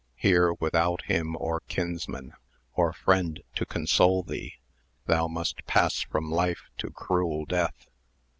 here, without him or kinsman, or friend to console thee, thou must pass from life to cruel death.